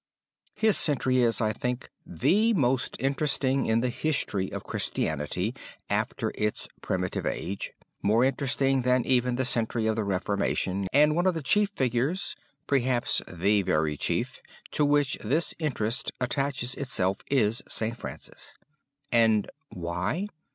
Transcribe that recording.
His century is, I think, the most interesting in the history of Christianity after its primitive age; more interesting than even the century of the Reformation; and one of the chief figures, perhaps the very chief, to which this interest attaches itself, is St. Francis. And why?